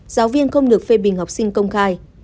giáo viên không được phê bình học sinh công khai